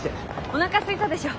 おなかすいたでしょ。